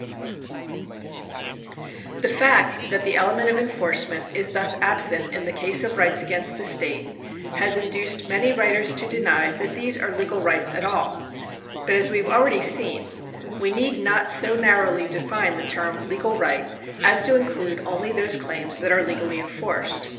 200 THE KINDS OF LECiAL III GUTS [§ 79 The fact that the element of enforcement is thus absent in the case of rights against the state, has induced many writers to deny that these are legal rights at all. But as we have already seen, we need not so narrowly define the term legal right, as to include only those claims that are legally enforced.